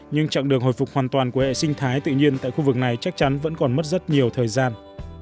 nhưng chặng đường hồi phục hoàn toàn của hệ sinh thái tự nhiên tại khu vực này chắc chắn vẫn còn mất rất nhiều thời gian